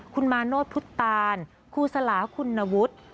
คุณมาโนธพุทธตานครูสลาคุณวุฒิ